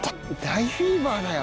大フィーバーだよ。